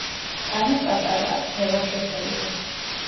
ტანად პატარაა, ჭრელად შეფერილი.